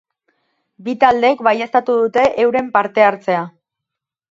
Bi taldeek baieztatu dute euren parte hartzea.